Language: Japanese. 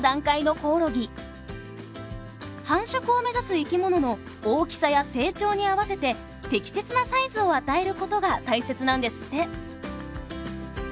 繁殖を目指す生き物の大きさや成長に合わせて適切なサイズを与えることが大切なんですって。